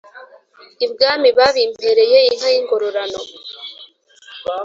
ibwami babimpereye inka y'ingororano